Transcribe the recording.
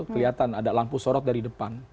kelihatan ada lampu sorot dari depan